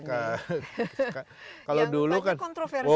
yang banyak kontroversi juga kan